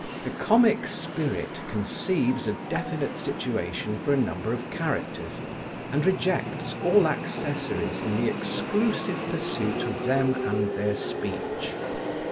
The Comic Spirit conceives a definite situation for a number of characters, and rejects all accessories in the exclusive pursuit of them and their speech.